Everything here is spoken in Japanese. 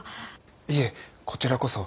いいえこちらこそ。